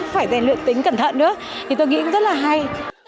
phải rèn luyện tính cẩn thận nữa thì tôi nghĩ cũng rất là hay